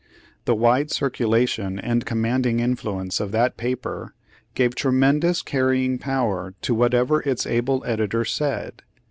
The wide circulation and com manding influence of that paper, gave tremendous carrying power to whatever its able editor said.